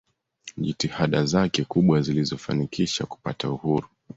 jitihada zake kubwa zilizo fanikisha kupata uhuru